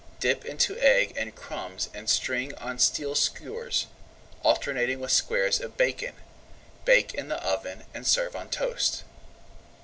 Dip into egg and crumbs and string on steel skewers, alternating with squares of bacon. Bake in the oven and serve on toast.